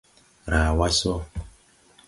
Raa wa sɔ.